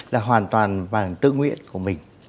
là hoàn toàn bằng tư nguyện của mình